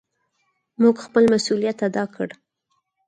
مونږ خپل مسؤليت ادا کړ.